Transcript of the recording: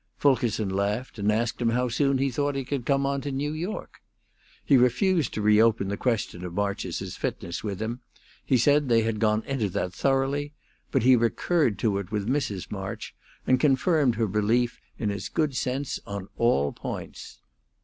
Fulkerson laughed, and asked him how soon he thought he could come on to New York. He refused to reopen the question of March's fitness with him; he said they had gone into that thoroughly, but he recurred to it with Mrs. March, and confirmed her belief in his good sense on all points.